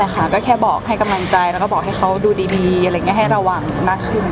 ก็แค่บอกให้กำลังใจแล้วก็บอกให้เขาดูดีให้ระวังมากขึ้น